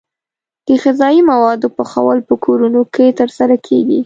د غذايي موادو پخول په کورونو کې ترسره کیږي.